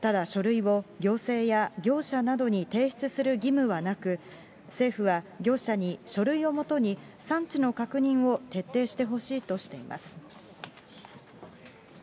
ただ書類を行政や業者などに提出する義務はなく、政府は、業者に書類をもとに産地の確認を徹底してほしいとしています。